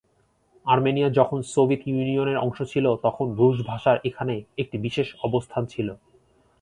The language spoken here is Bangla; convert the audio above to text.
আর্মেনিয়া যখন সোভিয়েত ইউনিয়নের অংশ ছিল তখন রুশ ভাষার এখানে একটি বিশেষ অবস্থান ছিল।